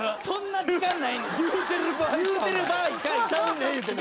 そんな時間ないねん！